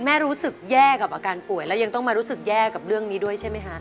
รู้สึกแย่กับอาการป่วยแล้วยังต้องมารู้สึกแย่กับเรื่องนี้ด้วยใช่ไหมคะ